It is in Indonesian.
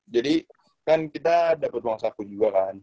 jadi kan kita dapet uang sapu juga kan